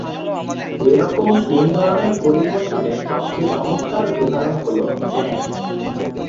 এইরকম তিন ধরনের পরিবর্তনের সবচেয়ে চমৎকার উদাহরণ হল ব্যাঙ।